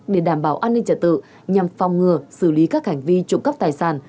để đảm bảo an ninh trả tự nhằm phòng ngừa xử lý các hành vi trụng cấp tài sản